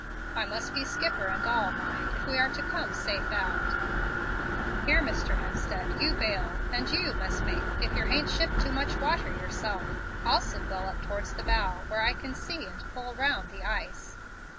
I must be skipper and all, mind, if we are to come safe out. Here, Mr. Hemstead, you bale; and you, too, messmate, if yer hain't shipped too much water yerself. I'll sit well up towards the bow, where I can see and pull around the ice.